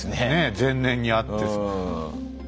前年にあって。